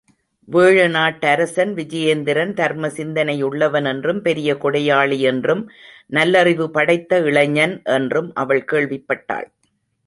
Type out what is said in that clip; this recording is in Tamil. வேழநாட்டரசன் விஜயேந்திரன் தர்ம சிந்தையுள்ளவன் என்றும் பெரிய கொடையாளி என்றும் நல்லறிவு படைத்த இளைஞன் என்றும் அவள் கேள்விப்பட்டாள்.